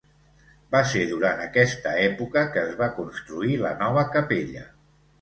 Va ser durant aquesta època quan es va construir la nova capella.